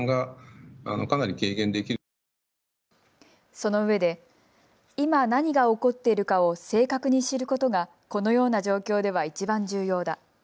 そのうえで今何が起こっているかを正確に知ることがこのような状況ではいちばん重要だ。